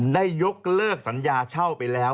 ได้ยกเลิกสัญญาเช่าไปแล้ว